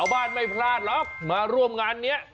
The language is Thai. บ้านไม่พลาดหรอกมาร่วมงานนี้